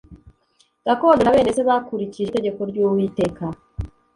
gakondo na bene se bakurikije itegeko ry uwiteka